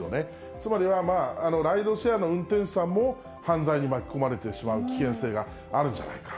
つまりはライドシェアの運転手さんも犯罪に巻き込まれてしまう危険性があるんじゃないか。